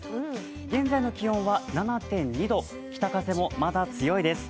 現在の気温は７．２度、北風もまだ強いです。